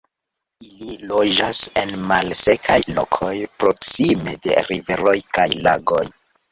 Ili loĝas en malsekaj lokoj proksime de riveroj kaj lagoj.